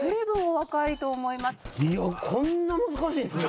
いやこんな難しいんですね。